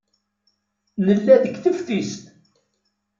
Nella deg teftist.